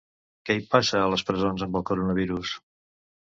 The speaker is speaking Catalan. Què hi passa, a les presons, amb el coronavirus?